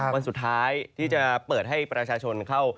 วันสุดท้ายที่จะเปิดให้ประชาชนเข้า